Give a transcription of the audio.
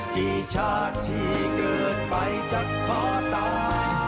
กี่ชาติที่เกิดไปจนขอตาย